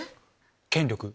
権力？